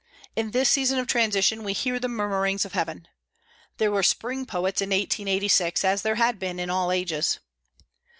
In this season of transition we hear the murmurings of heaven. There were spring poets in 1886, as there had been in all ages.